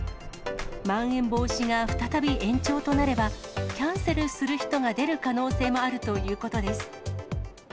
まん延防止が再び延長となれば、キャンセルする人が出る可能性もあるということです。